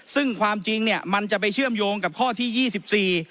ซึ่งความจริงมันจะไปเชื่อมโยงกับข้อที่๒๔